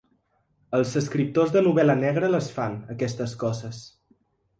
Els escriptors de novel·la negra les fan, aquestes coses.